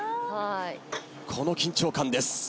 この緊張感です。